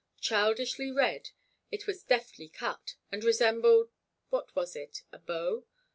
Childishly red, it was deftly cut, and resembled—what was it? A bow?